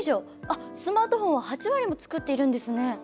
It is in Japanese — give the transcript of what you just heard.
あっスマートフォンは８割も作っているんですね！